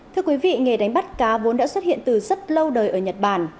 thưa quý vị nghề đánh bắt cá vốn đã xuất hiện từ rất lâu đời ở nhật bản